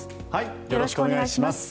よろしくお願いします。